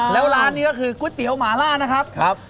แล้วร้านนี้ก็คือก๋วยเตี๋ยวหมาล่านะครับ